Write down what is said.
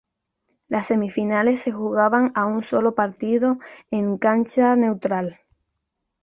Las semifinales se jugaban a un solo partido en cancha neutral.